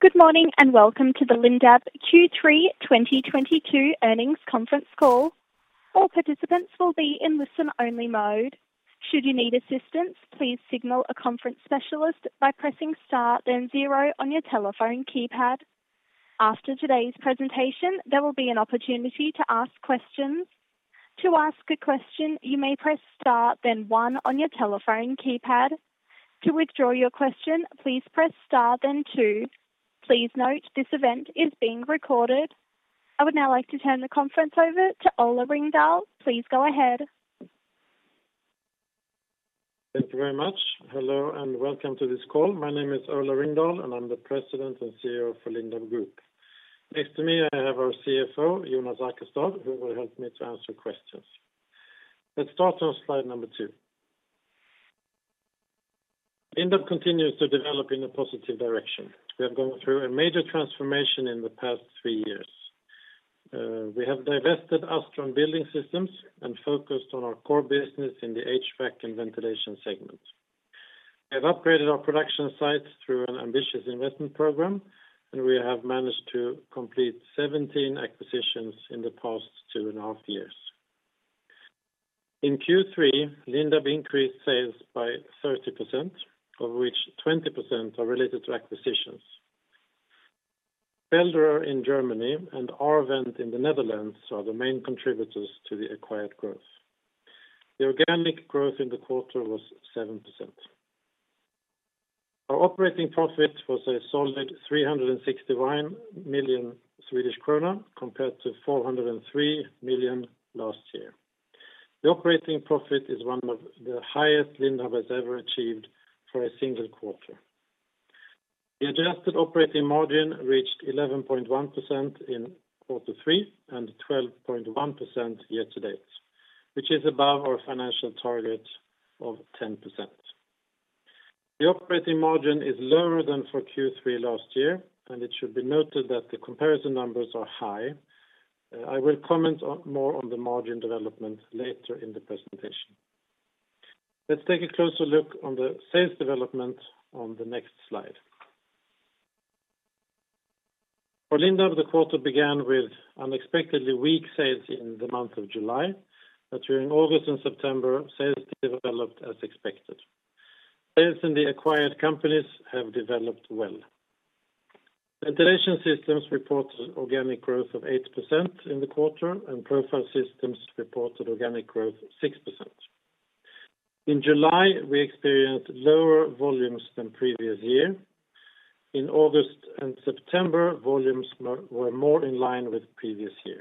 Good morning, and welcome to the Lindab Q3 2022 Earnings Conference Call. All participants will be in listen-only mode. Should you need assistance, please signal a conference specialist by pressing star, then zero on your telephone keypad. After today's presentation, there will be an opportunity to ask questions. To ask a question, you may press star, then one on your telephone keypad. To withdraw your question, please press star, then two. Please note this event is being recorded. I would now like to turn the conference over to Ola Ringdahl. Please go ahead. Thank you very much. Hello, and welcome to this call. My name is Ola Ringdahl, and I'm the President and CEO for Lindab Group. Next to me, I have our CFO, Jonas Arkestad, who will help me to answer questions. Let's start on slide number two. Lindab continues to develop in a positive direction. We have gone through a major transformation in the past three years. We have divested Astron Building Systems and focused on our core business in the HVAC and ventilation segment. We have upgraded our production sites through an ambitious investment program, and we have managed to complete 17 acquisitions in the past two and a half years. In Q3, Lindab increased sales by 30%, of which 20% are related to acquisitions. Felderer in Germany and Airvent in the Netherlands are the main contributors to the acquired growth. The organic growth in the quarter was 7%. Our operating profit was a solid 361 million Swedish krona, compared to 403 million last year. The operating profit is one of the highest Lindab has ever achieved for a single quarter. The adjusted operating margin reached 11.1% in Q3, and 12.1% year to date, which is above our financial target of 10%. The operating margin is lower than for Q3 last year, and it should be noted that the comparison numbers are high. I will comment more on the margin development later in the presentation. Let's take a closer look on the sales development on the next slide. For Lindab, the quarter began with unexpectedly weak sales in the month of July, but during August and September, sales developed as expected. Sales in the acquired companies have developed well. Ventilation Systems reported organic growth of 8% in the quarter, and Profile Systems reported organic growth of 6%. In July, we experienced lower volumes than previous year. In August and September, volumes were more in line with previous year.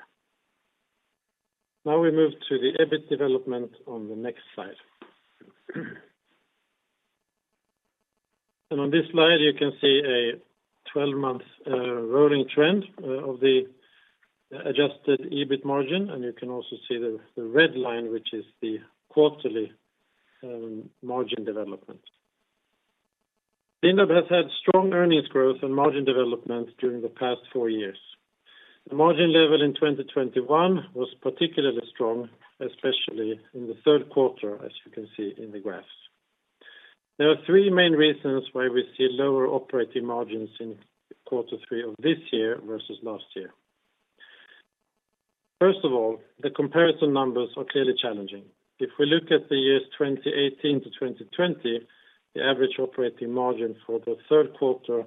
Now we move to the EBIT development on the next slide. On this slide, you can see a 12-month rolling trend of the adjusted EBIT margin, and you can also see the red line, which is the quarterly margin development. Lindab has had strong earnings growth and margin development during the past four years. The margin level in 2021 was particularly strong, especially in the Q3, as you can see in the graphs. There are three main reasons why we see lower operating margins in Q3 of this year versus last year. First of all, the comparison numbers are clearly challenging. If we look at the years 2018 to 2020, the average operating margin for the Q3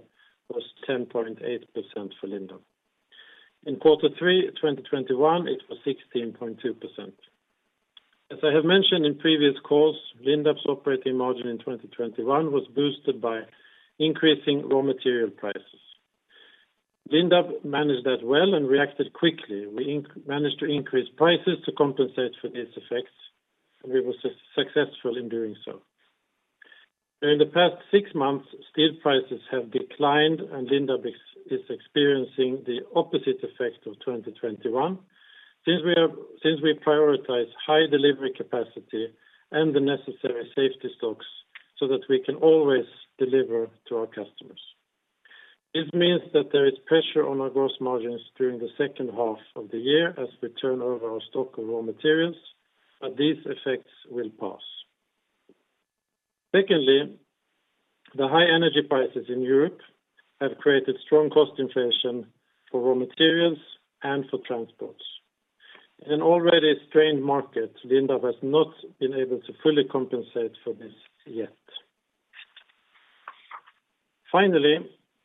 was 10.8% for Lindab. In Q3, 2021, it was 16.2%. As I have mentioned in previous calls, Lindab's operating margin in 2021 was boosted by increasing raw material prices. Lindab managed that well and reacted quickly. We managed to increase prices to compensate for these effects, and we were successful in doing so. During the past six months, steel prices have declined, and Lindab is experiencing the opposite effect of 2021 since we prioritize high delivery capacity and the necessary safety stocks so that we can always deliver to our customers. This means that there is pressure on our gross margins during the H2 of the year as we turn over our stock of raw materials, but these effects will pass. Secondly, the high energy prices in Europe have created strong cost inflation for raw materials and for transports. In an already strained market, Lindab has not been able to fully compensate for this yet. Finally,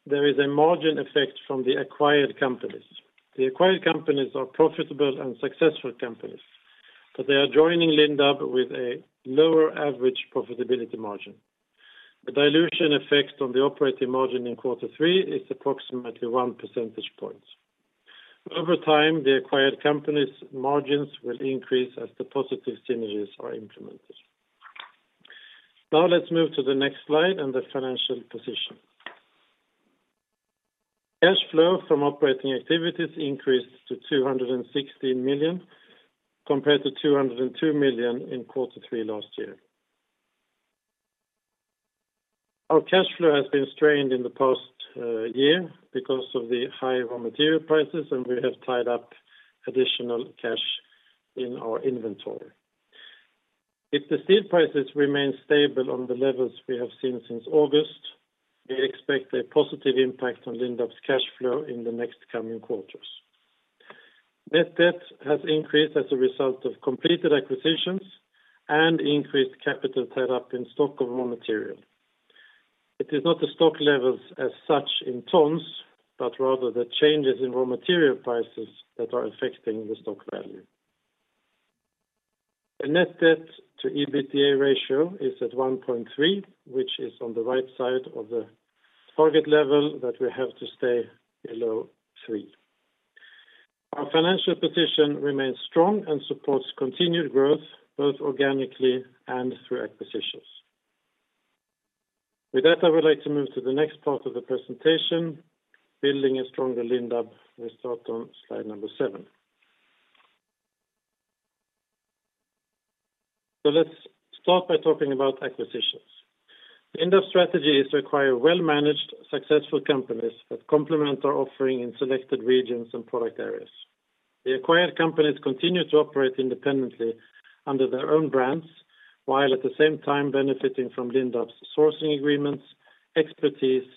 there is a margin effect from the acquired companies. The acquired companies are profitable and successful companies, but they are joining Lindab with a lower average profitability margin. The dilution effect on the operating margin in Q3 is approximately one percentage point. Over time, the acquired companies' margins will increase as the positive synergies are implemented. Now let's move to the next slide and the financial position. Cash flow from operating activities increased to 216 million, compared to 202 million in Q3 last year. Our cash flow has been strained in the past year because of the high raw material prices, and we have tied up additional cash in our inventory. If the steel prices remain stable on the levels we have seen since August, we expect a positive impact on Lindab's cash flow in the next coming quarters. Net debt has increased as a result of completed acquisitions, and increased capital tied up in stock of raw material. It is not the stock levels as such in tons, but rather the changes in raw material prices that are affecting the stock value. The net debt to EBITDA ratio is at 1.3, which is on the right side of the target level that we have to stay below three. Our financial position remains strong, and supports continued growth, both organically and through acquisitions. With that, I would like to move to the next part of the presentation, Building a Stronger Lindab. Let's start on slide number seven. Let's start by talking about acquisitions. Lindab's strategy is to acquire well-managed, successful companies that complement our offering in selected regions and product areas. The acquired companies continue to operate independently under their own brands, while at the same time benefiting from Lindab's sourcing agreements, expertise,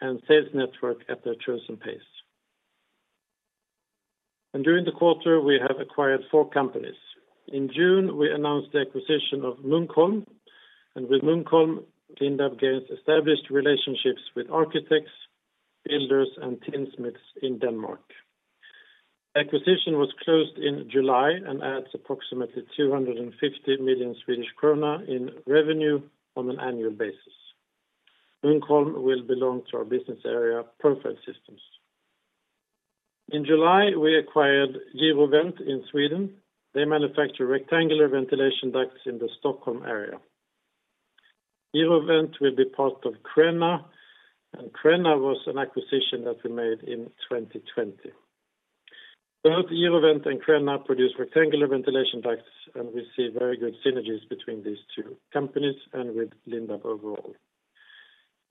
and sales network at their chosen pace. During the quarter, we have acquired four companies. In June, we announced the acquisition of Muncholm, and with Muncholm, Lindab gains established relationships with architects, builders, and tinsmiths in Denmark. Acquisition was closed in July, and adds approximately 250 million Swedish krona in revenue on an annual basis. Muncholm will belong to our business area, Profile Systems. In July, we acquired Girovent in Sweden. They manufacture rectangular ventilation ducts in the Stockholm area. Girovent will be part of Crenna, and Crenna was an acquisition that we made in 2020. Both Girovent and Crenna produce rectangular ventilation ducts, and we see very good synergies between these two companies, and with Lindab overall.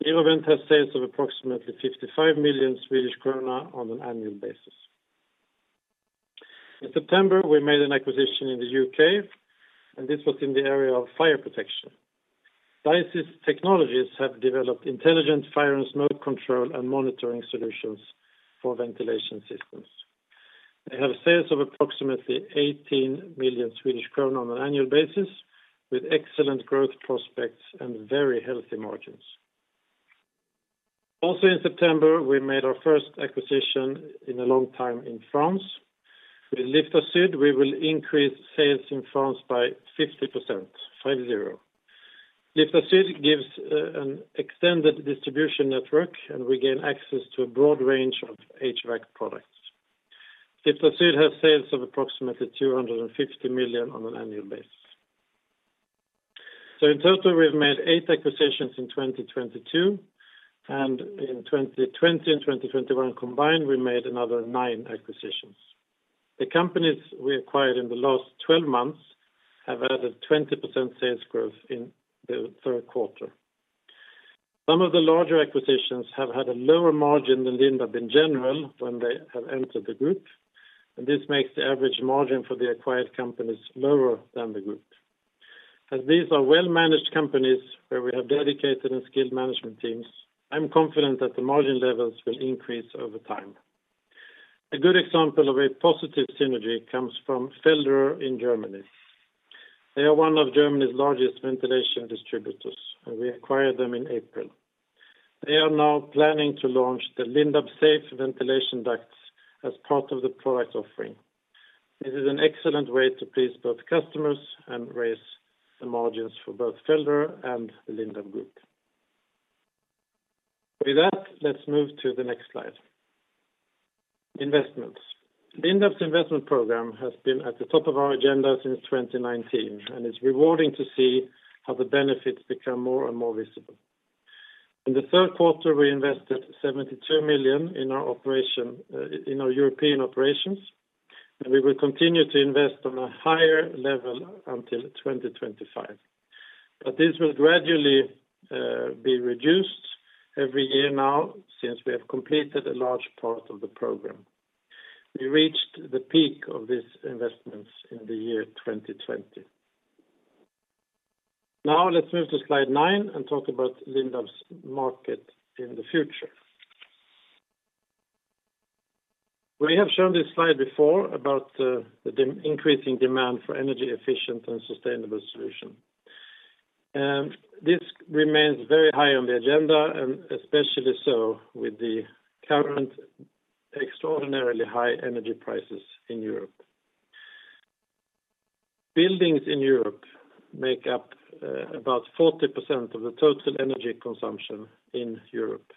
Girovent has sales of approximately 55 million Swedish krona on an annual basis. In September, we made an acquisition in the UK, and this was in the area of fire protection. Disys Technologies have developed intelligent fire and smoke control and monitoring solutions for ventilation systems. They have sales of approximately 18 million Swedish kronor on an annual basis, with excellent growth prospects and very healthy margins. Also in September, we made our first acquisition in a long time in France. With Liftasud, we will increase sales in France by 50%, 50. Liftasud gives an extended distribution network, and we gain access to a broad range of HVAC products. Liftasud has sales of approximately 250 million on an annual basis. In total, we've made eight acquisitions in 2022, and in 2020 and 2021 combined, we made another nine acquisitions. The companies we acquired in the last 12 months have added 20% sales growth in the Q3. Some of the larger acquisitions have had a lower margin than Lindab in general when they have entered the group, and this makes the average margin for the acquired companies lower than the group. As these are well-managed companies where we have dedicated and skilled management teams, I'm confident that the margin levels will increase over time. A good example of a positive synergy comes from Felderer in Germany. They are one of Germany's largest ventilation distributors, and we acquired them in April. They are now planning to launch the Lindab Safe ventilation ducts as part of the product offering. This is an excellent way to please both customers, and raise the margins for both Felderer and the Lindab Group. With that, let's move to the next slide. Investments. Lindab's investment program has been at the top of our agenda since 2019, and it's rewarding to see how the benefits become more and more visible. In the Q3, we invested 72 million in our operation, in our European operations, and we will continue to invest on a higher level until 2025. This will gradually be reduced every year now, since we have completed a large part of the program. We reached the peak of these investments in the year 2020. Now let's move to slide nine, and talk about Lindab's market in the future. We have shown this slide before about the increasing demand for energy-efficient and sustainable solution. This remains very high on the agenda, and especially so with the current extraordinarily high energy prices in Europe. Buildings in Europe make up about 40% of the total energy consumption in Europe.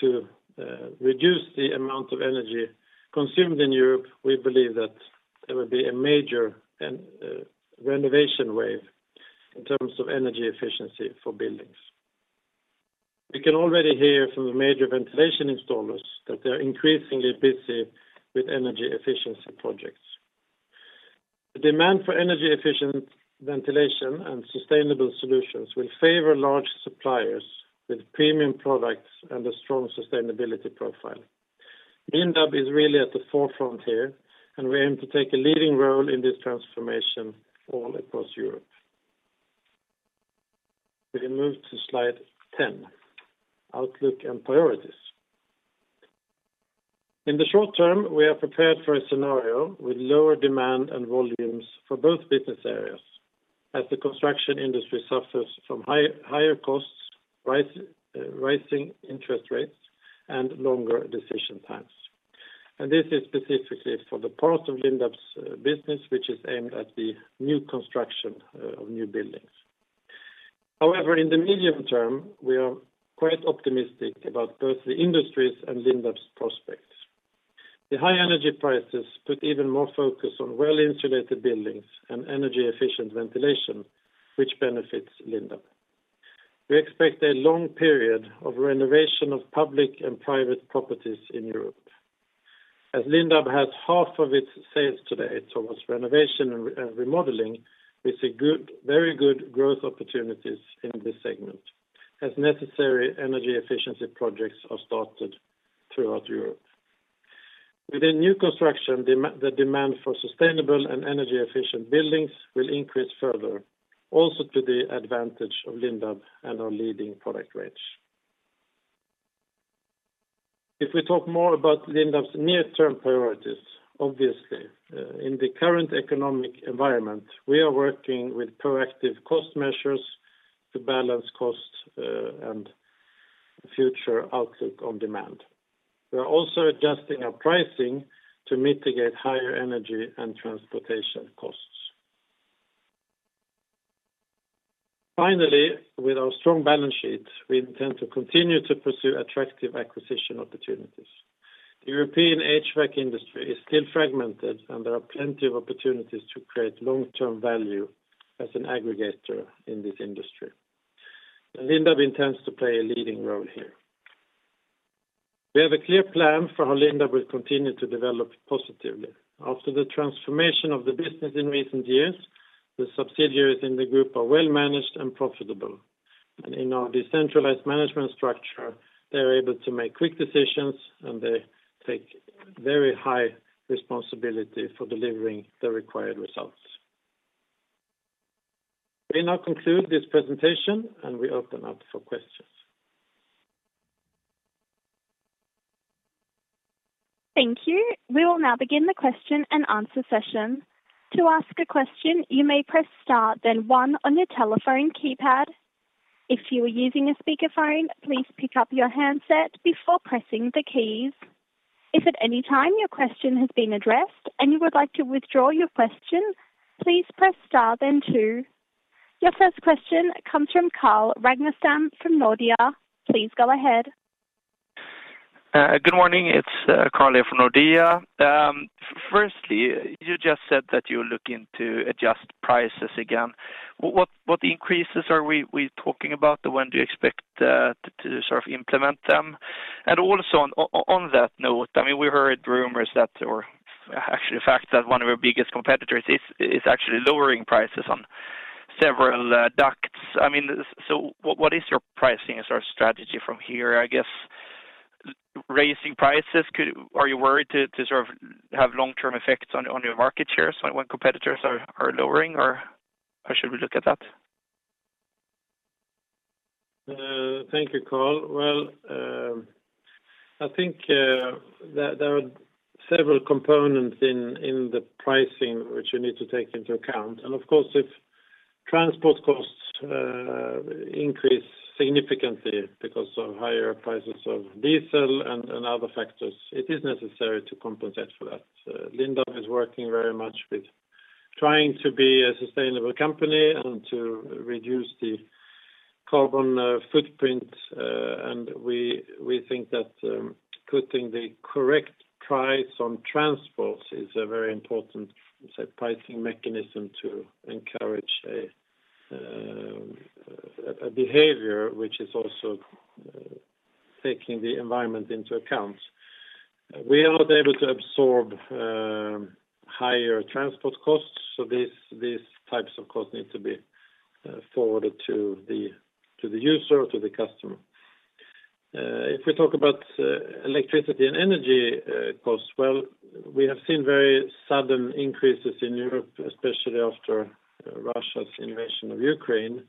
To reduce the amount of energy consumed in Europe, we believe that there will be a major renovation wave in terms of energy efficiency for buildings. We can already hear from the major ventilation installers that they're increasingly busy with energy efficiency projects. The demand for energy efficient ventilation and sustainable solutions will favor large suppliers with premium products and a strong sustainability profile. Lindab is really at the forefront here, and we aim to take a leading role in this transformation all across Europe. We can move to slide 10, Outlook and Priorities. In the short term, we are prepared for a scenario with lower demand and volumes for both business areas as the construction industry suffers from higher costs, rising interest rates, and longer decision times. This is specifically for the part of Lindab's business, which is aimed at the new construction of new buildings. However, in the medium term, we are quite optimistic about both the industries and Lindab's prospects. The high energy prices put even more focus on well-insulated buildings and energy-efficient ventilation, which benefits Lindab. We expect a long period of renovation of public and private properties in Europe. As Lindab has half of its sales today towards renovation and remodeling, we see very good growth opportunities in this segment as necessary energy efficiency projects are started throughout Europe. Within new construction, the demand for sustainable and energy-efficient buildings will increase further, also to the advantage of Lindab and our leading product range. If we talk more about Lindab's near-term priorities, obviously, in the current economic environment, we are working with proactive cost measures to balance costs, and future outlook on demand. We are also adjusting our pricing to mitigate higher energy and transportation costs. Finally, with our strong balance sheet, we intend to continue to pursue attractive acquisition opportunities. The European HVAC industry is still fragmented, and there are plenty of opportunities to create long-term value as an aggregator in this industry, and Lindab intends to play a leading role here. We have a clear plan for how Lindab will continue to develop positively. After the transformation of the business in recent years, the subsidiaries in the group are well-managed and profitable, and in our decentralized management structure, they're able to make quick decisions, and they take very high responsibility for delivering the required results. We now conclude this presentation, and we open up for questions. Thank you. We will now begin the Q&A session. To ask a question, you may press star then one on your telephone keypad. If you are using a speakerphone, please pick up your handset before pressing the keys. If at any time your question has been addressed and you would like to withdraw your question, please press star then two. Your first question comes from Carl Ragnerstam from Nordea. Please go ahead. Good morning. It's Carl from Nordea. Firstly, you just said that you're looking to adjust prices again. What increases are we talking about? When do you expect to sort of implement them? Also on that note, I mean, we heard rumors that, or actually the fact that one of your biggest competitors is actually lowering prices on several ducts. I mean, so what is your pricing strategy from here? I guess raising prices. Are you worried to sort of have long-term effects on your market shares when competitors are lowering, or how should we look at that? Thank you, Carl. Well, I think, there are several components in the pricing which you need to take into account. Of course, if transport costs increase significantly because of higher prices of diesel and other factors, it is necessary to compensate for that. Lindab is working very much with trying to be a sustainable company and to reduce the carbon footprint, and we think that putting the correct price on transports is a very important, say, pricing mechanism to encourage a behavior which is also taking the environment into account. We are not able to absorb higher transport costs, so these types of costs need to be forwarded to the user, to the customer. If we talk about electricity and energy costs, well, we have seen very sudden increases in Europe, especially after Russia's invasion of Ukraine.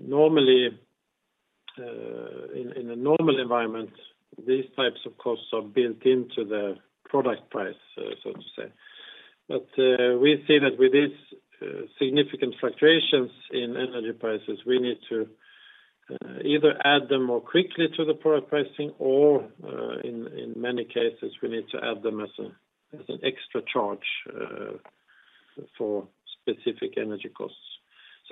Normally in a normal environment, these types of costs are built into the product price so to say. We see that with these significant fluctuations in energy prices, we need to either add them more quickly to the product pricing or in many cases, we need to add them as an extra charge for specific energy costs.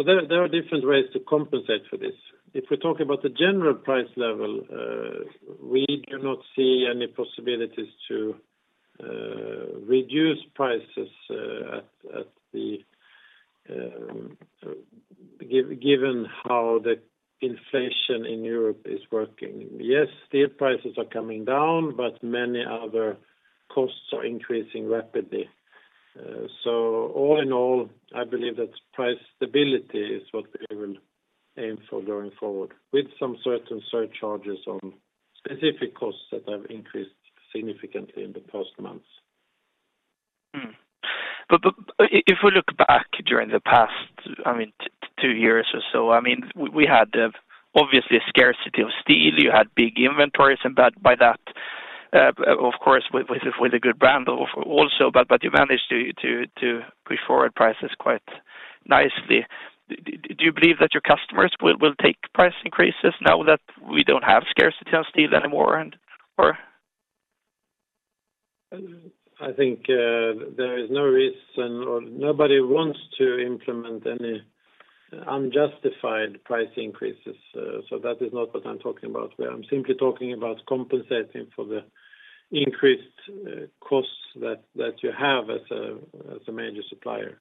There are different ways to compensate for this. If we talk about the general price level, we do not see any possibilities to reduce prices at the given how the inflation in Europe is working. Yes, steel prices are coming down, but many other costs are increasing rapidly. All in all, I believe that price stability is what we will aim for going forward with some certain surcharges on specific costs that have increased significantly in the past months. If we look back during the past, I mean, two years or so, I mean, we had, obviously, a scarcity of steel. You had big inventories, and by that, of course, with a good brand as well, but you managed to push forward prices quite nicely. Do you believe that your customers will take price increases now that we don't have scarcity of steel anymore, or? I think there is no reason or nobody wants to implement any unjustified price increases. That is not what I'm talking about. Where I'm simply talking about compensating for the increased costs that you have as a major supplier.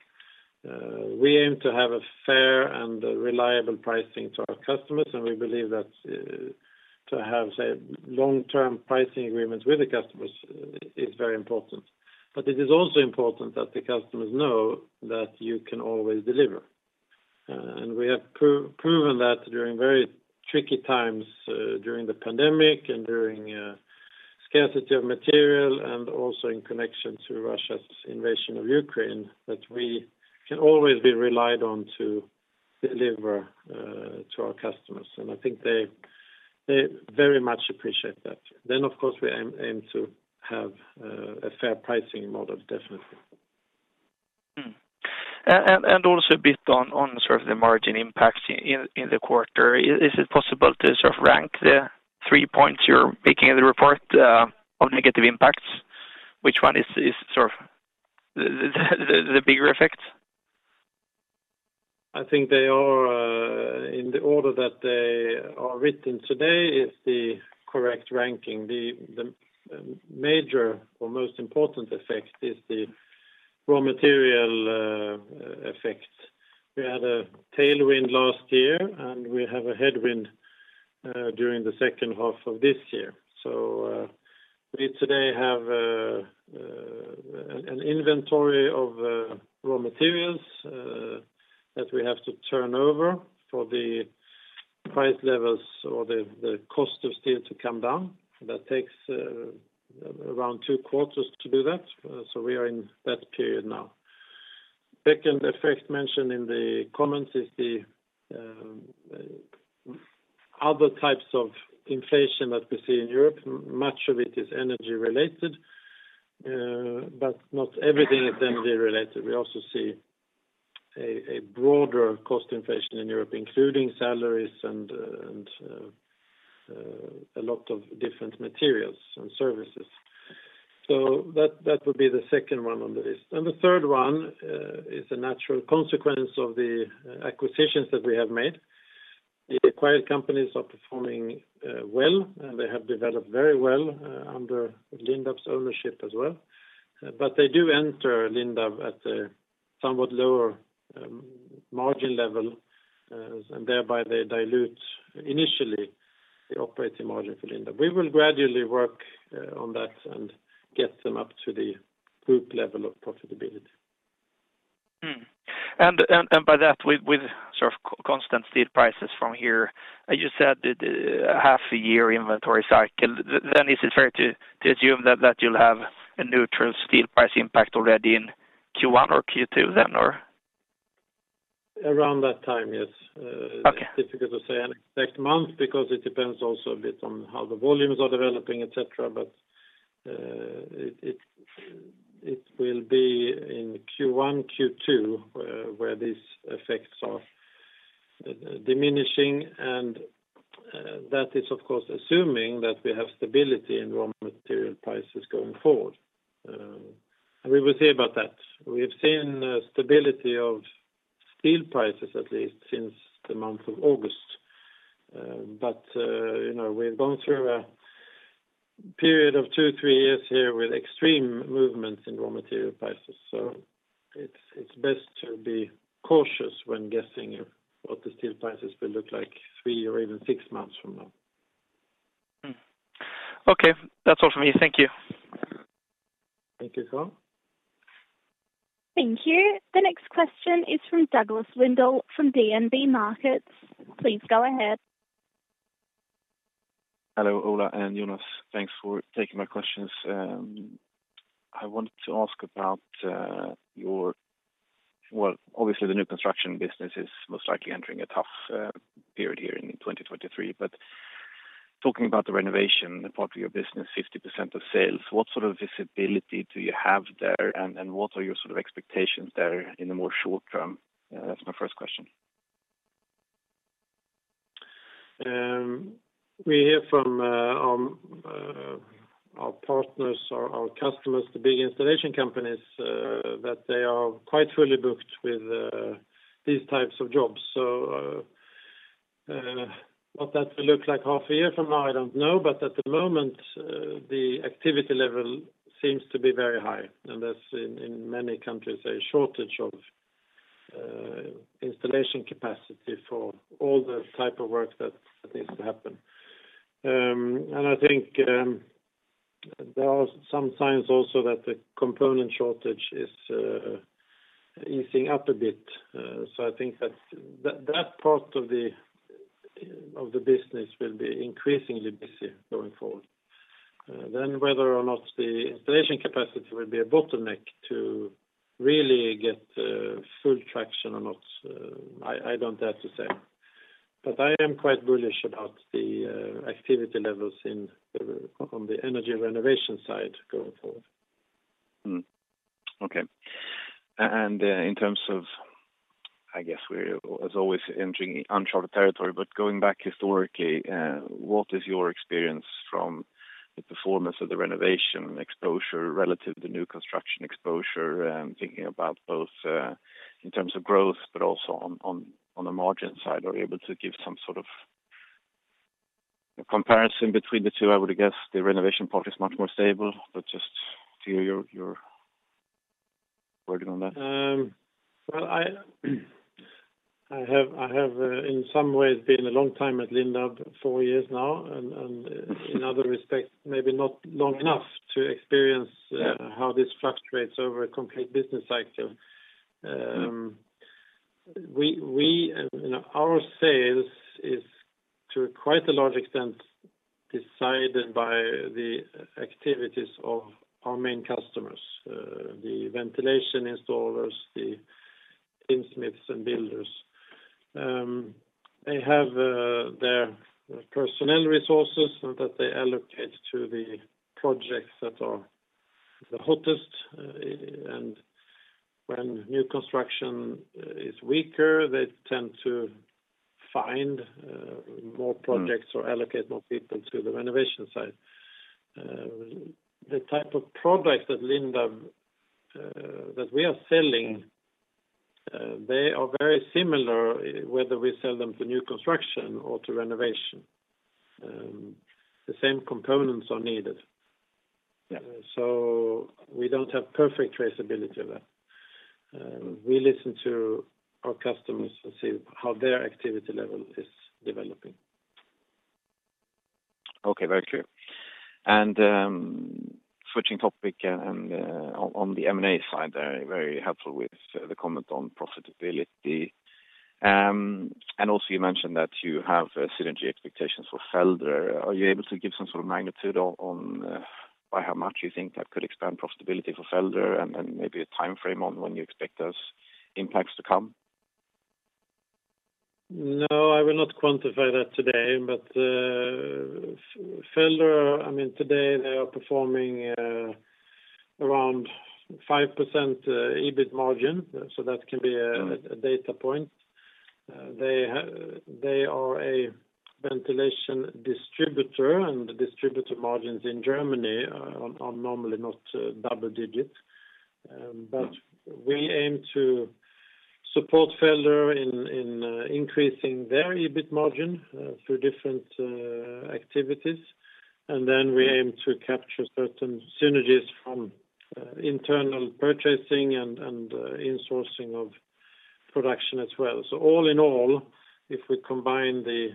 We aim to have a fair and reliable pricing to our customers, and we believe that to have, say, long-term pricing agreements with the customers is very important. It is also important that the customers know that you can always deliver. We have proven that during very tricky times, during the pandemic and during scarcity of material and also in connection to Russia's invasion of Ukraine, that we can always be relied on to deliver to our customers. I think they very much appreciate that. Of course, we aim to have a fair pricing model, definitely. Also a bit on sort of the margin impacts in the quarter. Is it possible to sort of rank the three points you're making in the report of negative impacts? Which one is sort of the bigger effect? I think they are, in the order that they are written today is the correct ranking. The major or most important effect is the raw material effect. We had a tailwind last year, and we have a headwind, during the H2 of this year. We today have, an inventory of raw materials, that we have to turn over for the price levels or the cost of steel to come down. That takes, around two quarters to do that. We are in that period now. Second effect mentioned in the comments is the other types of inflation that we see in Europe. Much of it is energy related, but not everything is energy related. We also see a broader cost inflation in Europe, including salaries and a lot of different materials and services. That would be the second one on the list. The third one is a natural consequence of the acquisitions that we have made. The acquired companies are performing well, and they have developed very well under Lindab's ownership as well. They do enter Lindab at a somewhat lower margin level, and thereby they dilute initially the operating margin for Lindab. We will gradually work on that and get them up to the group level of profitability. By that, with sort of constant steel prices from here, you said a half a year inventory cycle, then is it fair to assume that you'll have a neutral steel price impact already in Q1 or Q2 then or? Around that time, yes. Okay. It's difficult to say an exact month because it depends also a bit on how the volumes are developing, et cetera. It will be in Q1, Q2, where these effects are diminishing. That is of course, assuming that we have stability in raw material prices going forward. We will see about that. We have seen stability of steel prices, at least since the month of August. You know, we've gone through a period of two-three years here with extreme movements in raw material prices. It's best to be cautious when guessing what the steel prices will look like three or even six months from now. Okay. That's all from me. Thank you. Thank you, Carl. Thank you. The next question is from Douglas Lindahl from DNB Markets. Please go ahead. Hello, Ola and Jonas. Thanks for taking my questions. I wanted to ask about your well. Obviously, the new construction business is most likely entering a tough period here in 2023. Talking about the renovation part of your business, 50% of sales, what sort of visibility do you have there? And what are your sort of expectations there in the more short term? That's my first question. We hear from our partners, our customers, the big installation companies, that they are quite fully booked with these types of jobs. What that will look like half a year from now, I don't know. At the moment, the activity level seems to be very high, and there's in many countries a shortage of installation capacity for all the type of work that needs to happen. I think there are some signs also that the component shortage is easing up a bit. I think that part of the business will be increasingly busy going forward. Whether or not the installation capacity will be a bottleneck to really get full traction or not, I don't have to say. I am quite bullish about the activity levels on the energy renovation side going forward. Okay. In terms of, I guess, we're as always entering uncharted territory, but going back historically, what is your experience from the performance of the renovation exposure relative to new construction exposure? Thinking about both, in terms of growth, but also on the margin side. Are you able to give some sort of comparison between the two? I would guess the renovation part is much more stable, but just hear your wording on that. Well, I have in some ways been a long time at Lindab, four years now, and in other respects, maybe not long enough to experience. Yeah How this fluctuates over a complete business cycle. Our sales is to quite a large extent decided by the activities of our main customers, the ventilation installers, the tinsmiths and builders. They have their personnel resources that they allocate to the projects that are the hottest. When new construction is weaker, they tend to find more projects. Allocate more people to the renovation side. The type of products that we are selling. They are very similar, whether we sell them to new construction or to renovation. The same components are needed. Yeah. We don't have perfect traceability of that. We listen to our customers and see how their activity level is developing. Okay, very clear. Switching topic and on the M&A side, very helpful with the comment on profitability. Also you mentioned that you have synergy expectations for Felderer. Are you able to give some sort of magnitude on by how much you think that could expand profitability for Felderer and maybe a timeframe on when you expect those impacts to come? No, I will not quantify that today, but Felderer, I mean, today, they are performing around 5% EBIT margin, so that can be a data point. They are a ventilation distributor, and distributor margins in Germany are normally not double digits. We aim to support Felderer in increasing their EBIT margin through different activities. We aim to capture certain synergies from internal purchasing and insourcing of production as well. All in all, if we combine the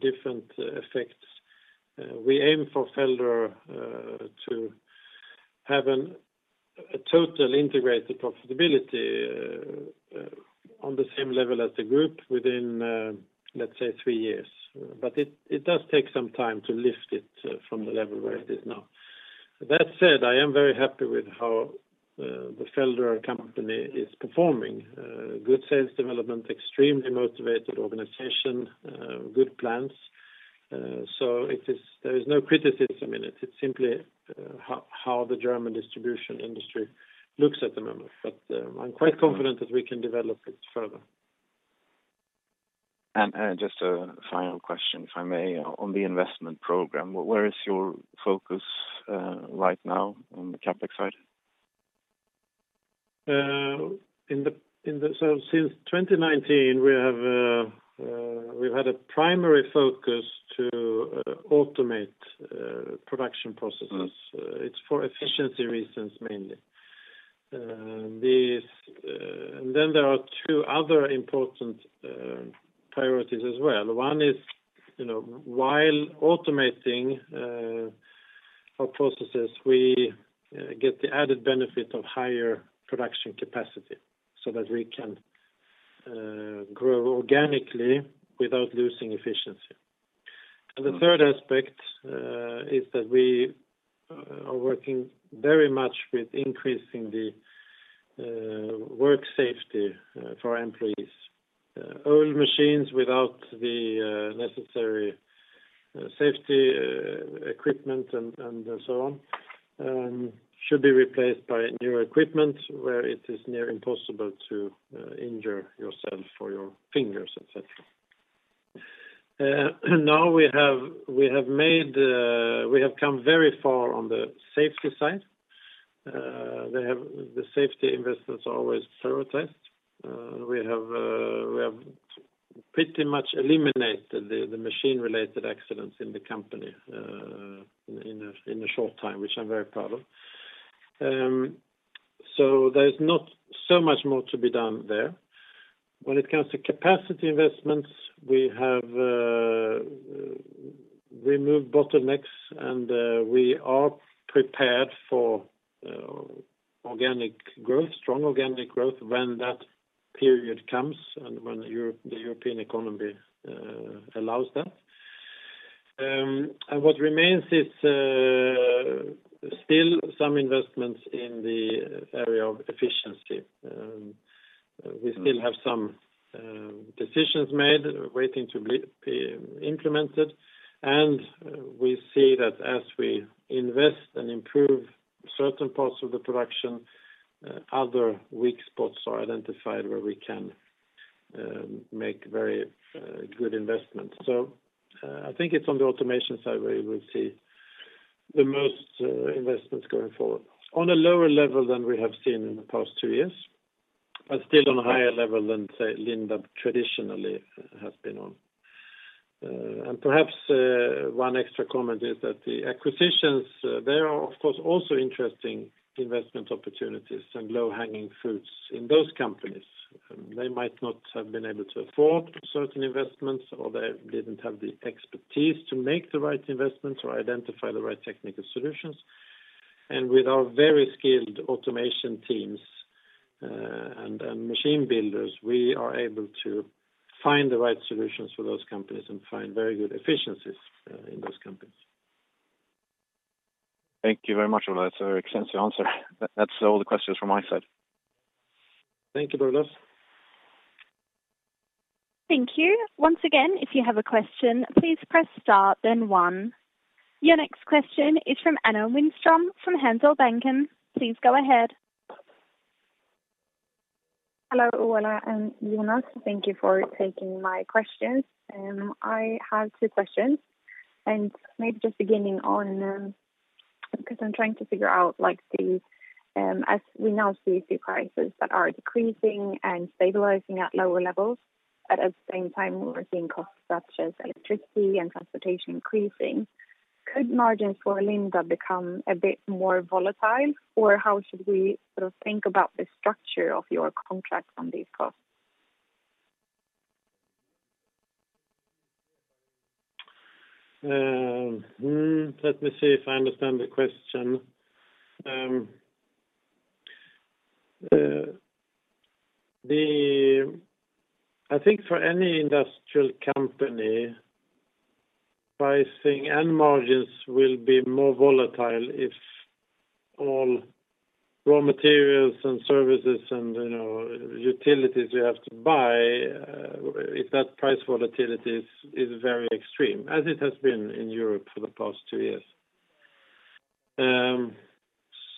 different effects, we aim for Felderer to have a total integrated profitability on the same level as the group within, let's say, three years. It does take some time to lift it from the level where it is now. That said, I am very happy with how the Felderer company is performing. Good sales development, extremely motivated organization, good plans. It is, there is no criticism in it. It's simply how the German distribution industry looks at the moment. I'm quite confident that we can develop it further. Just a final question, if I may. On the investment program, where is your focus right now on the CapEx side? Since 2019, we've had a primary focus to automate production processes. It's for efficiency reasons mainly. There are two other important priorities as well. One is, you know, while automating our processes, we get the added benefit of higher production capacity so that we can grow organically without losing efficiency. The third aspect is that we are working very much with increasing the work safety for our employees. Old machines without the necessary safety equipment and so on should be replaced by new equipment where it is near impossible to injure yourself or your fingers, etc. Now we have come very far on the safety side. They have the safety investments always prioritized. We have pretty much eliminated the machine related accidents in the company in a short time, which I'm very proud of. There's not so much more to be done there. When it comes to capacity investments, we have removed bottlenecks, and we are prepared for organic growth, strong organic growth when that period comes and when the European economy allows that. What remains is still some investments in the area of efficiency. We still have some decisions made waiting to be implemented. We see that as we invest and improve certain parts of the production, other weak spots are identified where we can make very good investments. I think it's on the automation side where we'll see the most investments going forward on a lower level than we have seen in the past two years, but still on a higher level than, say, Lindab traditionally has been on. Perhaps, one extra comment is that the acquisitions, there are of course also interesting investment opportunities and low-hanging fruits in those companies. They might not have been able to afford certain investments, or they didn't have the expertise to make the right investments or identify the right technical solutions. With our very skilled automation teams, and machine builders, we are able to find the right solutions for those companies and find very good efficiencies, in those companies. Thank you very much. Well, that's a very extensive answer. That's all the questions from my side. Thank you, Douglas Lindahl. Thank you. Once again, if you have a question, please press star then one. Your next question is from Anna Winström, from Handelsbanken. Please go ahead. Hello, Ola and Jonas. Thank you for taking my questions. I have two questions. Maybe just beginning on, because I'm trying to figure out, like, the as we now see the prices that are decreasing and stabilizing at lower levels, but at the same time, we're seeing costs such as electricity and transportation increasing. Could margins for Lindab become a bit more volatile, or how should we sort of think about the structure of your contracts on these costs? Let me see if I understand the question. I think for any industrial company, pricing and margins will be more volatile if all raw materials and services and, you know, utilities you have to buy, if that price volatility is very extreme, as it has been in Europe for the past two years.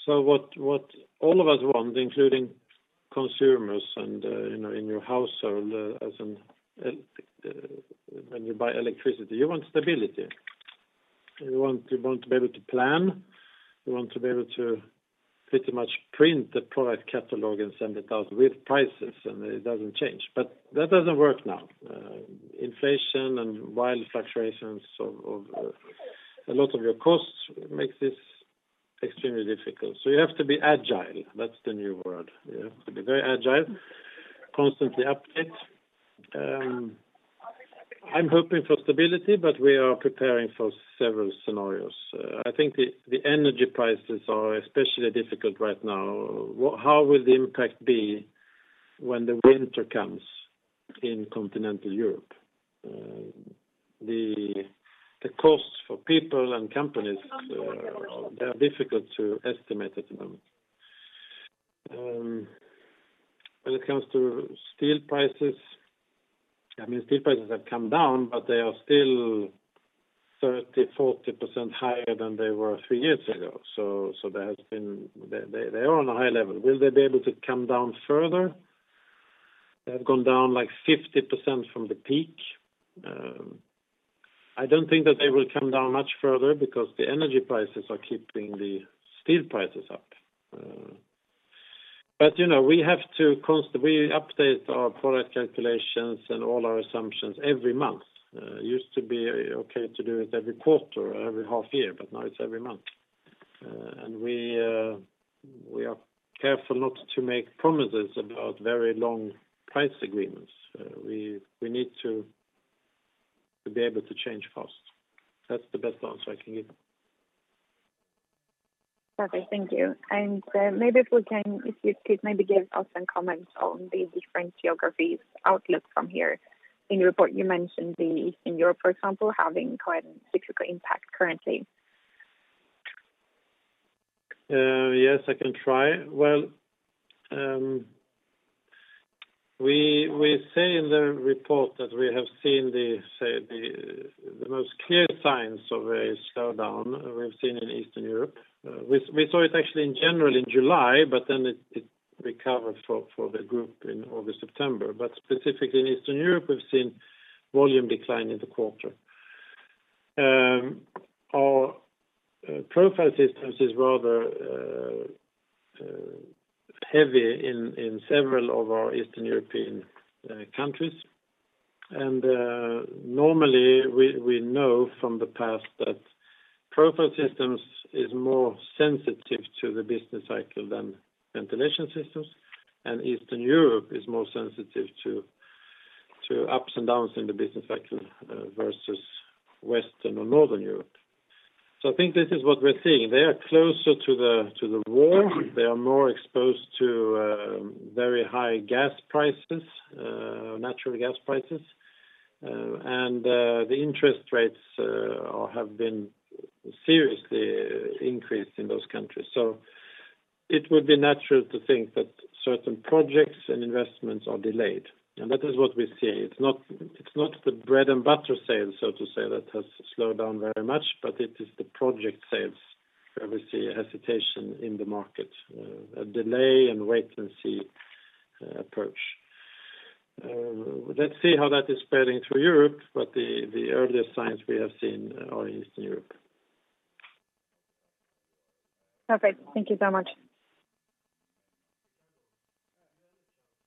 What all of us want, including consumers and, you know, in your household when you buy electricity, you want stability. You want to be able to plan, you want to be able to pretty much print the product catalog and send it out with prices, and it doesn't change. That doesn't work now. Inflation and wild fluctuations of a lot of your costs makes this extremely difficult. You have to be agile. That's the new word. You have to be very agile, constantly update. I'm hoping for stability, but we are preparing for several scenarios. I think the energy prices are especially difficult right now. How will the impact be when the winter comes in continental Europe? The costs for people and companies, they are difficult to estimate at the moment. When it comes to steel prices, I mean, steel prices have come down, but they are still 30-40% higher than they were three years ago. They are on a high level. Will they be able to come down further? They have gone down, like, 50% from the peak. I don't think that they will come down much further because the energy prices are keeping the steel prices up. You know, we update our product calculations and all our assumptions every month. It used to be okay to do it every quarter or every half year, but now it's every month. We are careful not to make promises about very long price agreements. We need to be able to change costs. That's the best answer I can give. Okay, thank you. Maybe if you could maybe give us some comments on the different geographies outlook from here. In your report, you mentioned the Eastern Europe, for example, having quite a cyclical impact currently. Yes, I can try. Well, we say in the report that we have seen the most clear signs of a slowdown we've seen in Eastern Europe. We saw it actually in general in July, but then it recovered for the group in August, September. Specifically in Eastern Europe, we've seen volume decline in the quarter. Our Profile Systems is rather heavy in several of our Eastern European countries. Normally, we know from the past that Profile Systems is more sensitive to the business cycle than Ventilation Systems, and Eastern Europe is more sensitive to ups and downs in the business cycle versus Western or Northern Europe. I think this is what we're seeing. They are closer to the war. They are more exposed to very high gas prices, natural gas prices. The interest rates have been seriously increased in those countries. It would be natural to think that certain projects and investments are delayed. That is what we see. It's not the bread and butter sales, so to say, that has slowed down very much, but it is the project sales where we see hesitation in the market, a delay and wait-and-see approach. Let's see how that is spreading through Europe, but the earliest signs we have seen are in Eastern Europe. Perfect. Thank you so much.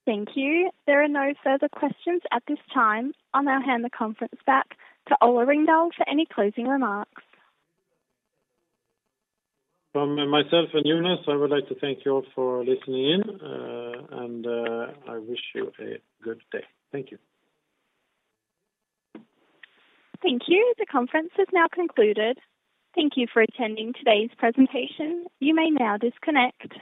Thank you. There are no further questions at this time. I'll now hand the conference back to Ola Ringdahl for any closing remarks. From myself and Jonas, I would like to thank you all for listening in, and I wish you a good day. Thank you. Thank you. The conference is now concluded. Thank you for attending today's presentation. You may now disconnect.